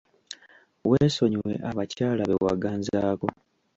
Weesonyiwe abakyala be waganzaako.